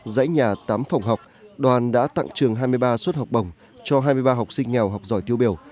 dãy nhà tám phòng học đoàn đã tặng trường hai mươi ba suất học bổng cho hai mươi ba học sinh nghèo học giỏi tiêu biểu